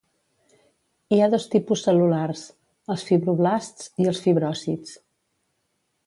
Hi ha dos tipus cel·lulars: els fibroblasts i els fibròcits.